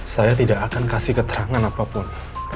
saya tidak akan kasih keterangan apapun